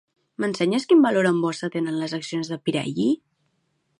M'ensenyes quin valor en borsa tenen les accions de Pirelli?